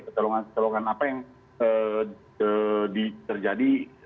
kecolongan kecolongan apa yang terjadi